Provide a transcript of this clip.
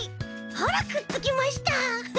ほらくっつきました！